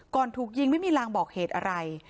ถูกยิงไม่มีลางบอกเหตุอะไร